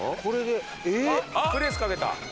プレスかけた。